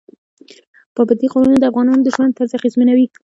پابندی غرونه د افغانانو د ژوند طرز اغېزمنوي.